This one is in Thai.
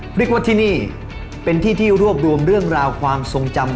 เรียกว่าที่นี่เป็นที่ที่รวบรวมเรื่องราวความทรงจำ